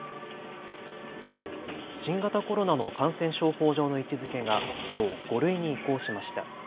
新型コロナの感染症法上の位置づけがきょう５類に移行しました。